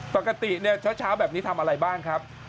ปกติเนี่ยเช้าแบบนี้ทำอะไรบ้างครับ